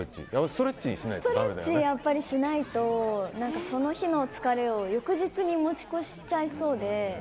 ストレッチしないとその日の疲れを翌日に持ち越しちゃいそうで。